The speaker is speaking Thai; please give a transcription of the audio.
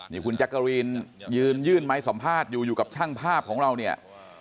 นี่คุณจักรีนยืนยื่นไม้สัมภาษณ์อยู่อยู่กับช่างภาพของเราเนี่ย